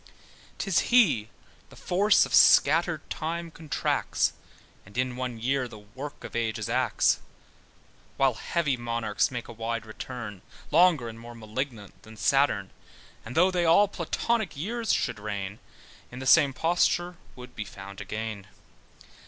'Tis he the force of scattered time contracts, And in one year the work of ages acts: While heavy monarchs make a wide return, Longer, and more malignant than Saturn: And though they all Platonic years should reign, In the same posture would be found again.